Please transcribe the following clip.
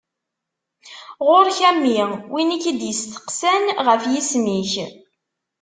Ɣur-k a mmi! Win i k-id-iseqsan ɣef yisem-ik.